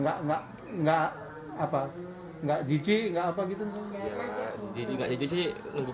sehingga saya sudah bottom of the kit